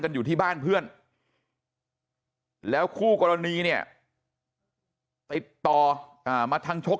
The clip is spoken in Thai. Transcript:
อยู่ที่บ้านเพื่อนแล้วคู่กรณีเนี่ยติดต่อมาทางชก